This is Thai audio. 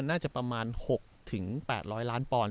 น่าจะประมาณ๖๘๐๐ล้านปอนด